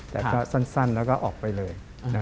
แต่ก็สั้นแล้วก็ออกไปเลย